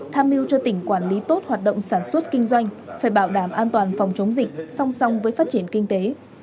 tham mưu cho tỉnh quản lý tốt hoạt động sản xuất kinh doanh phải bảo đảm an toàn phòng chống dịch song song với phát triển kinh tế